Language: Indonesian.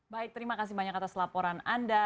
baik terima kasih banyak atas laporan anda